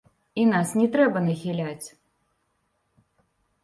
І нас не трэба нахіляць.